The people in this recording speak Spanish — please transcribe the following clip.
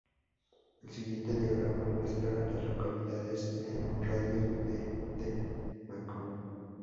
El siguiente diagrama muestra a las localidades en un radio de de Macon.